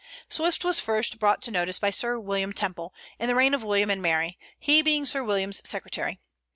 Swift was first brought to notice by Sir William Temple, in the reign of William and Mary, he being Sir William's secretary.